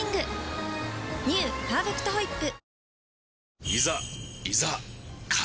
「パーフェクトホイップ」